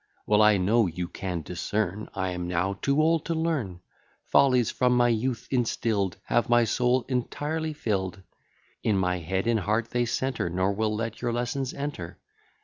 Well I know, you can discern, I am now too old to learn: Follies, from my youth instill'd, Have my soul entirely fill'd; In my head and heart they centre, Nor will let your lessons enter.